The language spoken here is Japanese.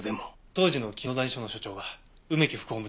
当時の紀野谷署の署長は梅木副本部長です。